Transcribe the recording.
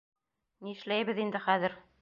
Ни эшләйбеҙ инде хәҙер?